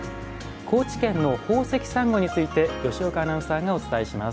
高知県の宝石サンゴについて吉岡アナウンサーがお伝えします。